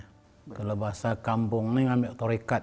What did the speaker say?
kalau bahasa kampung ini mengambil tarekat